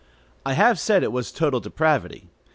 I have said it was total depravity.